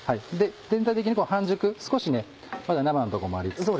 全体的に半熟少しまだ生の所もありつつ。